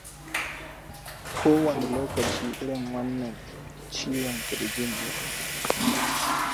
ko wane lokaci irin wannan ciwon kirjin ne